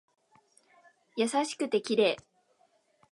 優しくて綺麗